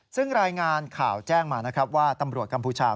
ซึ่งรายงานข่าวแจ้งมานะครับว่าตำรวจกัมพูชา